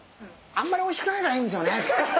「あんまりおいしくないからいいんですよね」っつって。